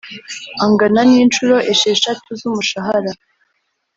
angana n inshuro esheshatu z umushahara